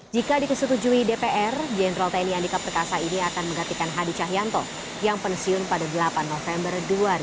jika dikesetujui dpr jenderal tni andika perkasa ini akan menggantikan hadi cahyanto yang pensiun pada delapan november dua ribu dua puluh